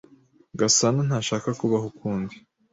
Gasanantashaka kubaho ukundi.